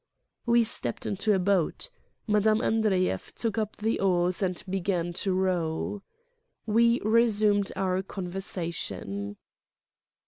We stepped into a boat, Mme. Andreyev took up the oars and began to row. We resumed our con versation.